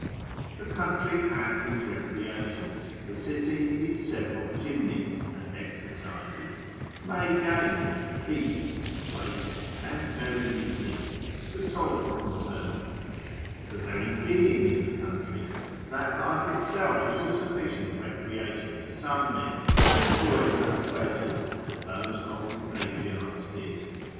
The country hath his recreations, the city his several gymnics and exercises, May games, feasts, wakes, and merry meetings, to solace themselves; the very being in the country; that life itself is a sufficient recreation to some men, to enjoy such pleasures, as those old patriarchs did.